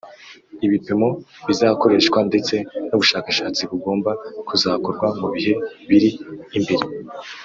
ibipimo bizakoreshwa ndetse n'ubushakashatsi bugomba kuzakorwa mu bihe biri imbere